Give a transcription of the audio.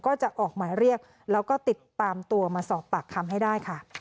ก็จะออกหมายเรียกแล้วก็ติดตามตัวมาสอบปากคำให้ได้ค่ะ